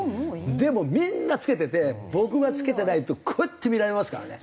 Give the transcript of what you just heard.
でもみんな着けてて僕が着けてないとこうやって見られますからね。